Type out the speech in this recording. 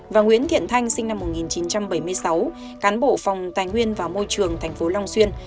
và nguyễn thiện thanh sinh năm một nghìn chín trăm bảy mươi sáu cán bộ phòng tài nguyên và môi trường tp long xuyên